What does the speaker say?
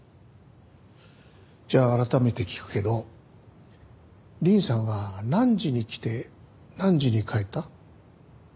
じゃあ改めて聞くけどリンさんは何時に来て何時に帰った？